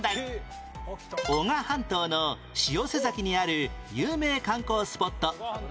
男鹿半島の潮瀬崎にある有名観光スポット